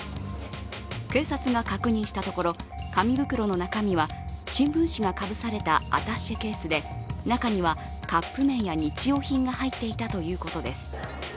警察が確認したところ紙袋の中身は新聞紙がかぶされたアタッシェケースで中にはカップ麺や日用品が入っていたということです。